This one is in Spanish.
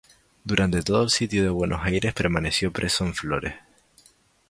Durante todo el Sitio de Buenos Aires permaneció preso en Flores.